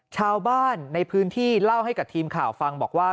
ชาวบ้านในพื้นที่เล่าให้กับทีมข่าวฟังบอกว่า